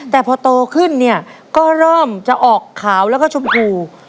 แต่พอโตขึ้นเนี่ยก็เริ่มจะออกขาวแล้วก็ชมพู